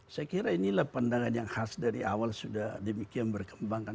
saya kira inilah pendapat yang khas dari awal sudah demikian berkembangkan